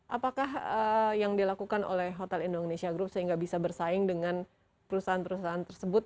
apakah yang dilakukan oleh hotel indonesia group sehingga bisa bersaing dengan perusahaan perusahaan tersebut